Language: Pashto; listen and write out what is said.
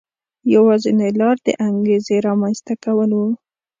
یوازینۍ لار د انګېزې رامنځته کول و.